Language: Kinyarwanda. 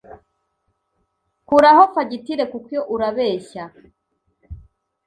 Kuraho fagitire kuko urabeshya